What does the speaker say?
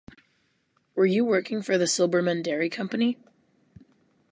Were you working for the Silberman Dairy Company?